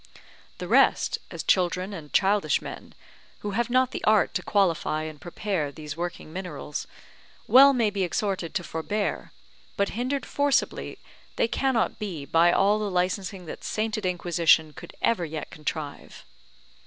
The rest, as children and childish men, who have not the art to qualify and prepare these working minerals, well may be exhorted to forbear, but hindered forcibly they cannot be by all the licensing that Sainted Inquisition could ever yet contrive.